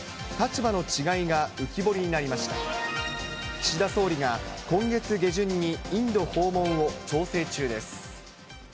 岸田総理が今月下旬にインド訪問を調整中です。